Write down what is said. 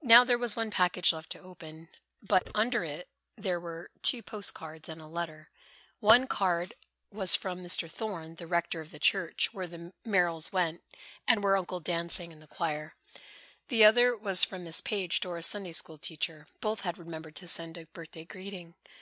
Now there was one package left to open, but under it were two post cards and a letter. One card was from Mr. Thorne, the rector of the church where the Merrills went and where Uncle Dan sang in the choir. The other was from Miss Page, Dora's Sunday school teacher. Both had remembered to send a birthday greeting.